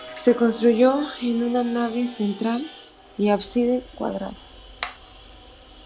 Se construyó con una nave central y un ábside cuadrado.